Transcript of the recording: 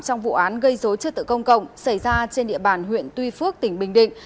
trong vụ án gây dối trật tự công cộng xảy ra trên địa bàn huyện tuy phước tỉnh bình định